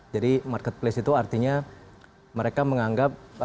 jadi marketplace itu artinya mereka menganggap